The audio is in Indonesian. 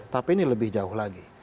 tapi ini lebih jauh lagi